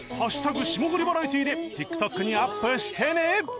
霜降りバラエティで ＴｉｋＴｏｋ にアップしてね！